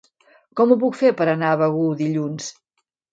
Com ho puc fer per anar a Begur dilluns?